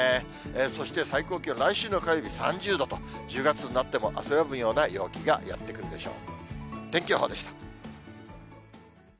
そして、最高気温、来週の火曜日３０度と、１０月になっても汗ばむような陽気がやって来るでしょう。